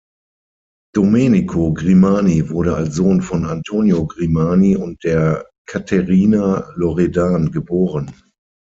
Domenico Grimani wurde als Sohn von Antonio Grimani und der Caterina Loredan geboren.